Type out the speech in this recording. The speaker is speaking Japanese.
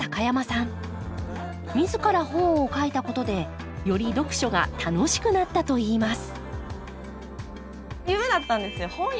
自ら本を書いたことでより読書が楽しくなったといいます